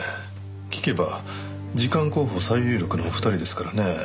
聞けば次官候補最有力のお二人ですからね。